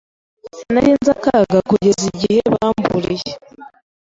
Sinari nzi akaga kugeza igihe bamburiye.